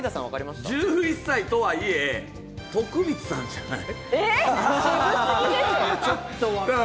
１１歳とはいえ徳光ちゃんじゃない。